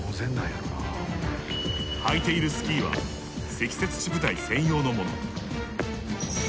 はいているスキーは積雪地部隊専用のもの。